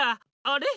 あれ？